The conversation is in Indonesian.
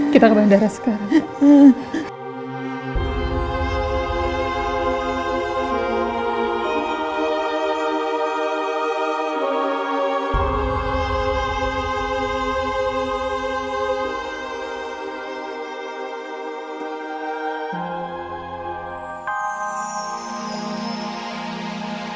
kita ke bandara sekarang